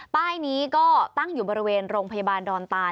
ป้ายนี้ก็ตั้งอยู่บริเวณโรงพยาบาลดอนตาน